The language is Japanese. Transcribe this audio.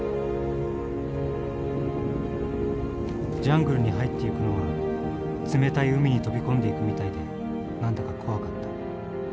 「ジャングルに入っていくのは冷たい海に飛び込んでいくみたいで何だか怖かった。